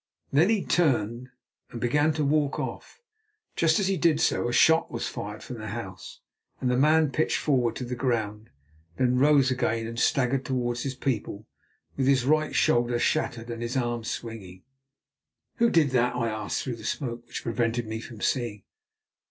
Then he turned and began to walk off. Just as he did so a shot was fired from the house, and the man pitched forward to the ground, then rose again and staggered back towards his people, with his right shoulder shattered and his arm swinging. "Who did that?" I asked through the smoke, which prevented me from seeing.